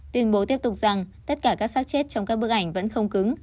tuyên bố tiếp tục rằng tất cả các sát chết trong các bức ảnh vẫn không cứng